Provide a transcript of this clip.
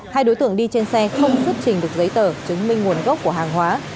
hai đối tượng đi trên xe không xuất trình được giấy tờ chứng minh nguồn gốc của hàng hóa